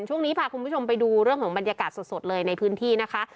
ช่วงนี้พาคุณผู้ชมไปดูเรื่องของบรรยากาศสดเลยในพื้นที่นะคะ